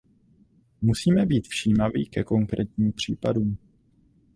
Musíme být všímaví ke konkrétním případům.